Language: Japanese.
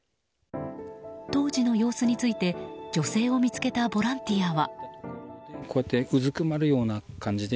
当時の様子について女性を見つけたボランティアは。